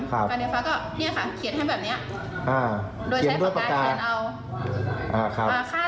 การเนฟฟ้าก็เขียนให้แบบนี้โดยใช้ปากกาเขียนเอา